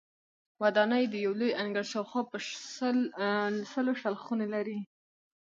ودانۍ د یو لوی انګړ شاوخوا په سلو شل خونې لري.